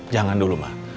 jangan dulu ma